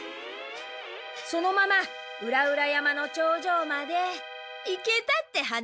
そのまま裏々山の頂上まで行けたって話。